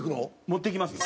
持っていきます。